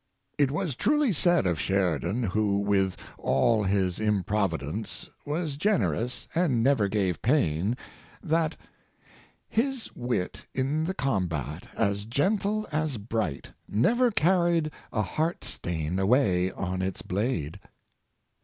It was truly said of Sheridan — who, with all his improvidence, was generous, and never gave pain — that " His wit in the combat, as gentle as bright, Never carried a heart stain away on its blade.''